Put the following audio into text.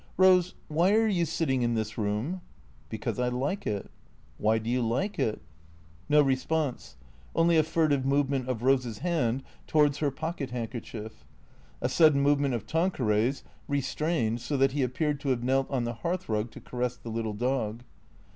" Rose, why are you sitting in this room ?"" Because I like it." "Why do you like it?" (No response; only a furtive movement of Rose's hand to wards her pocket handkerchief. A sudden movement of Tan queray's, restrained, so that he appeared to have knelt on the hearthrug to caress the little dog.